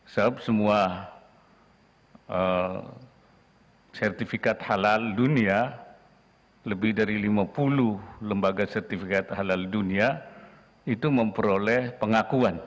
sebab semua sertifikat halal dunia lebih dari lima puluh lembaga sertifikat halal dunia itu memperoleh pengakuan